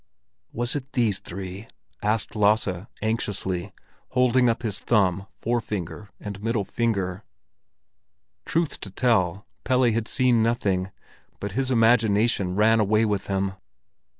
"Was it these three?" asked Lasse, anxiously, holding up his thumb, forefinger, and middle finger. Truth to tell, Pelle had seen nothing, but his imagination ran away with him.